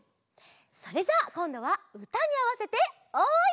それじゃあこんどはうたにあわせておい！